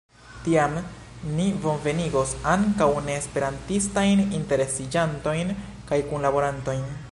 Tiam ni bonvenigos ankaŭ neesperantistajn interesiĝantojn kaj kunlaborantojn.